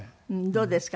どうですか？